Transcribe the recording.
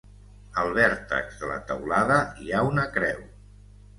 Al vèrtex de la teulada hi ha una creu.